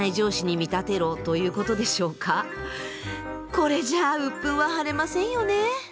これじゃあ鬱憤は晴れませんよね。